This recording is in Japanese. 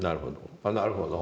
なるほど。